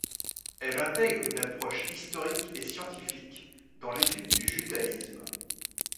Elle intègre une approche historique et scientifique dans l’étude du judaïsme.